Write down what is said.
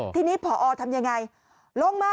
ที่นี่พอทำอย่างไร